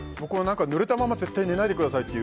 ぬれたまま絶対に寝ないでくださいって